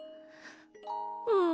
うん。